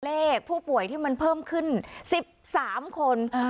เลขผู้ป่วยที่มันเพิ่มขึ้นสิบสามคนอ่า